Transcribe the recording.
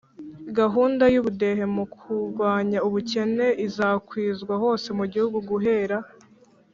gahunda y'ubudehe mu kurwanya ubukene izakwizwa hose mu gihugu guhera